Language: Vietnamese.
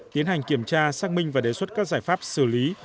tiến hành kiểm tra xác minh và đề xuất các giải pháp xử lý